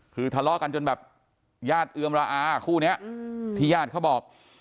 คือทะเลาะกันจนแบบญาติเอือมระอาคู่นี้ที่ญาติเขาบอก